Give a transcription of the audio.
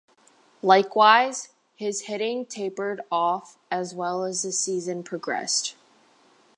Likewise, his hitting tapered off as well as the season progressed.